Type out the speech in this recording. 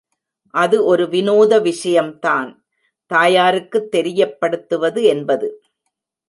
அது ஒரு விநோத விஷயம்தான் — தாயாருக்கு தெரியப்படுத்துவது என்பது.